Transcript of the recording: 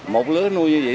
một lứa nuôi như vậy